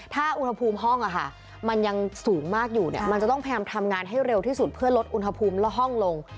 ถ้าอุณหภูมิห้องมันยังสูงมากอยู่เนี่ยมันจะต้องพยายามทำงานให้เร็วที่สุดเพื่อลดอุณหภูมิและห้องลง